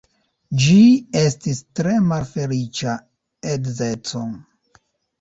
Ĝi estis tre malfeliĉa edzeco.